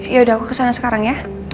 ya udah aku kesana sekarang ya